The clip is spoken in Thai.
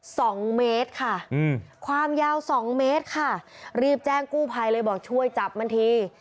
สองเมตรค่ะอืมความยาวสองเมตรค่ะรีบแจ้งกู้ภัยเลยบอกช่วยจับมันที